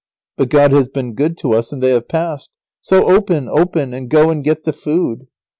But God has been good to us, and they have passed. So open, open, and go and get the food."